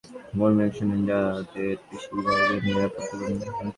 এতে কোম্পানিটির দুই শতাধিক কর্মী অংশ নেন, যাঁদের বেশির ভাগই নিরাপত্তাকর্মী।